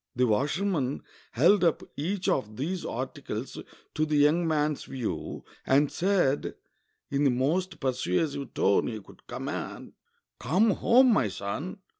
The washerman held up each of these articles to the young man's view, and said, in the most persuasive tone he could command, "Come home, my son.